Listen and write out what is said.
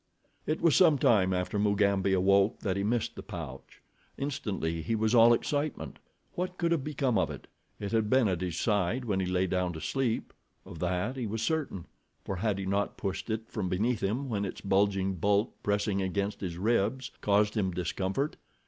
It was some time after Mugambi awoke that he missed the pouch. Instantly he was all excitement. What could have become of it? It had been at his side when he lay down to sleep—of that he was certain, for had he not pushed it from beneath him when its bulging bulk, pressing against his ribs, caused him discomfort?